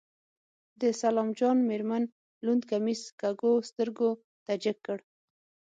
د سلام جان مېرمن لوند کميس کږو سترګو ته جګ کړ.